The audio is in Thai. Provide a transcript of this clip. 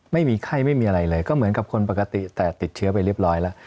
ไม่มีไข้ไม่มีอะไรเลยก็เหมือนกับคนปกติแต่ติดเชื้อไปเรียบร้อยแล้ว